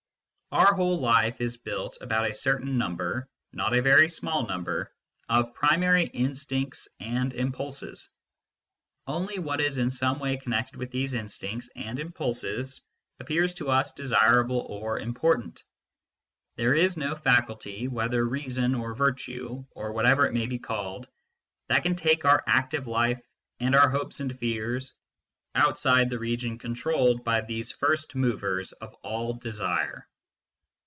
Our whole life is built about a certain number not a very small number of primary instincts and impulses. Only what is in some way connected with these instincts and impulses appears to us desirable or important ; there is no faculty, whether " reason " or " virtue " or what ever it may be called, that can take our active life and our hopes and fears outside the region controlled by these first movers of all desire.